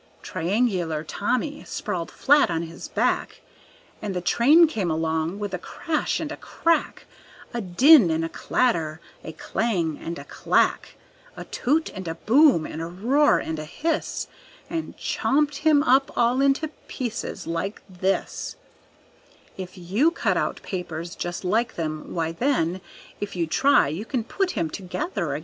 Triangular Tommy sprawled flat on his back And the train came along with a crash, and a crack, A din, and a clatter, a clang, and a clack, A toot, and a boom, and a roar, and a hiss, And chopped him up all into pieces like this If you cut out papers just like them, why, then, If you try, you can put him together again.